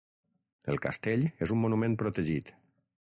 El castell és un monument protegit.